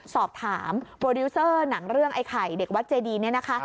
สอบถามโปรดิวเซอร์หนังเรื่องไอ้ไข่เด็กวัดเจดีเนี่ยนะคะ